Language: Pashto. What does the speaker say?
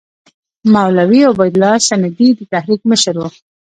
مولوي عبیدالله سندي د تحریک مشر وو.